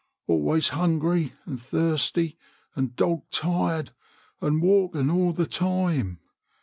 Always hungry and thirsty and dog tired and walking all the time.